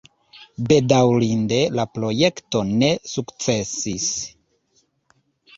Bedaŭrinde la projekto ne sukcesis.